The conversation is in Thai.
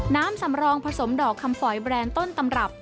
น้ำสำรองผสมดอกคำฝอยแบรนด์ต้นตำรับ